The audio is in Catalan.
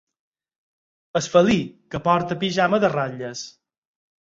El felí que porta pijama de ratlles.